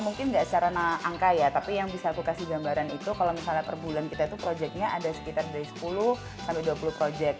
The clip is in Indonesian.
mungkin nggak secara angka ya tapi yang bisa aku kasih gambaran itu kalau misalnya per bulan kita itu proyeknya ada sekitar dari sepuluh sampai dua puluh proyek